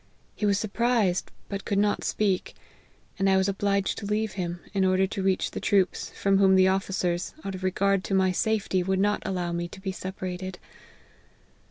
He was surprised, but could not speak ; and I was obliged to leave him, in order to reach the troops, from whom the of ficers, out of regard to my safety, would not allow me to be separated.